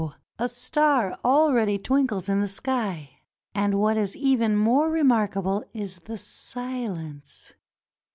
a star already twinkles in the sky. And what is even more remarkable is the silence.